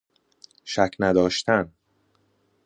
شک نداشتن